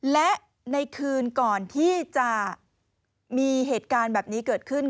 และในคืนก่อนที่จะมีเหตุการณ์แบบนี้เกิดขึ้น